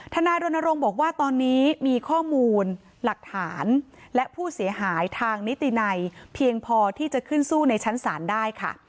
นายรณรงค์บอกว่าตอนนี้มีข้อมูลหลักฐานและผู้เสียหายทางนิตินัยเพียงพอที่จะขึ้นสู้ในชั้นศาลได้ค่ะ